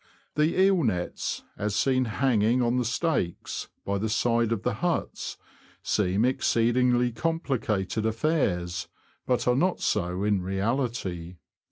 The eel nets, as seen hanging on the stakes, by the side of the huts, seem exceedingly complicated affairs, but are not so in reality.